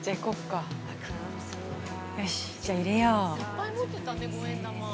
よしっ、じゃあ、入れよう。